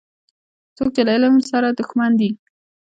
څوک چي له علم سره دښمن دی